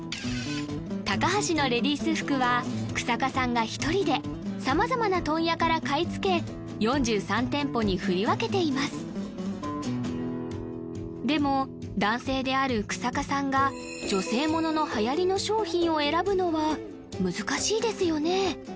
タカハシのレディース服は日下さんが１人で様々な問屋から買い付け４３店舗に振り分けていますでも男性である日下さんが女性もののはやりの商品を選ぶのは難しいですよね？